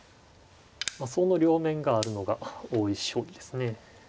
その両面があるのが大石将棋ですね。